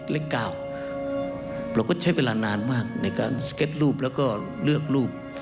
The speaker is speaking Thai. เราก็ใช้เวลานานมากในการสเก็ตรูปแล้วก็เลือกรูป